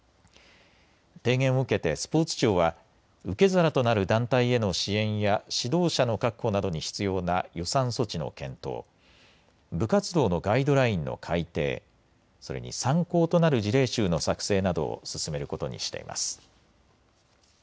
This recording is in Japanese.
提言を受けてスポーツ庁は受け皿となる団体への支援や指導者の確保などに必要な予算措置の検討、部活動のガイドラインの改定、それに参考となる事例集の作成などを進めることにしています。